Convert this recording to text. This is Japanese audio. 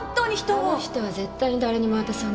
あの人は絶対に誰にも渡さない。